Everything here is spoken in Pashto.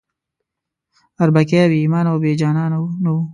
اربکی بې ایمانه او بې جانانه نه وو.